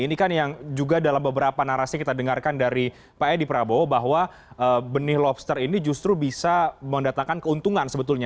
ini kan yang juga dalam beberapa narasi kita dengarkan dari pak edi prabowo bahwa benih lobster ini justru bisa mendatangkan keuntungan sebetulnya